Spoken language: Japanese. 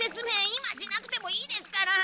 今しなくてもいいですから！